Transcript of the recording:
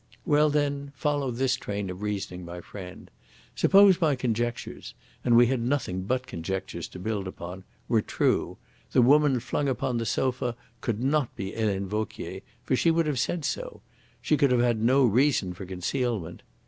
Well, then, follow this train of reasoning, my friend! Suppose my conjectures and we had nothing but conjectures to build upon were true, the woman flung upon the sofa could not be Helene Vauquier, for she would have said so; she could have had no reason for concealment.